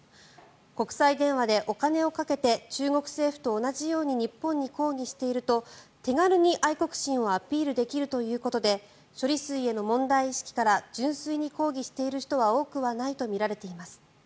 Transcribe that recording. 国際電話でお金をかけて中国政府と同じように日本に抗議していると手軽に愛国心をアピールできるということで処理水への問題意識から純粋に抗議している人は多くはないとみられています。